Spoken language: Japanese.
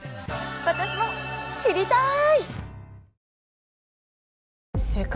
私も知りたい！